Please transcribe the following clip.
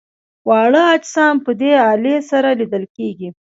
واړه اجسام په دې الې سره لیدل کیږي.